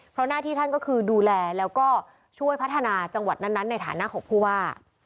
เพราะหน้าที่ท่านก็คือดูแลแล้วก็ช่วยพัฒนาจังหวัดนั้นในฐานะของผู้ว่า